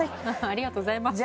ありがとうございます。